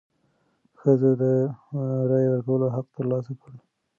ښځو د رایې ورکولو حق تر لاسه کړ.